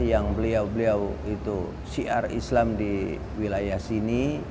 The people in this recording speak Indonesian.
yang beliau beliau itu syiar islam di wilayah sini